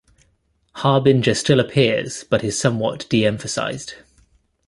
Harbinger still appears but is somewhat de-emphasized.